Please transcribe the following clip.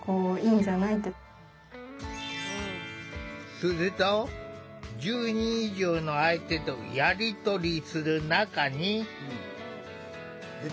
すると１０人以上の相手とやりとりする仲に。